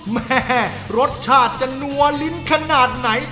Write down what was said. แม่รสชาติจะนัวลิ้นขนาดไหน